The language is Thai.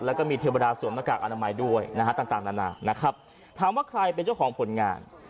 แล้วก็มีเทวดาสวมหน้ากากอนามัยด้วยนะฮะต่างนานานะครับถามว่าใครเป็นเจ้าของผลงาน